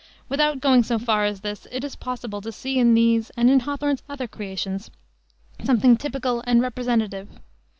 Without going so far as this, it is possible to see in these and in Hawthorne's other creations something typical and representative.